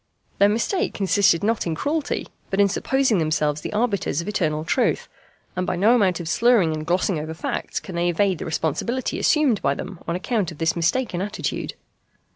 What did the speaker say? Their mistake consisted not in cruelty, but in supposing themselves the arbiters of eternal truth; and by no amount of slurring and glossing over facts can they evade the responsibility assumed by them on account of this mistaken attitude.